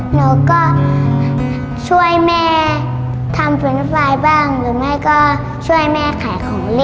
หนูก็ช่วยแม่ทำพื้นไฟบ้างหรือไม่ก็ช่วยแม่ขายของเล่น